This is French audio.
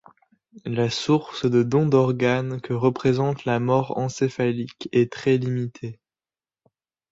La source de don d’organes que représente la mort encéphalique est très limitée.